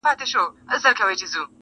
ښوروله یې لکۍ کاږه ښکرونه -